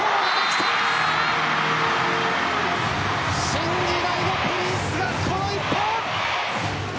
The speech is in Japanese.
新時代のプリンスが、この１本。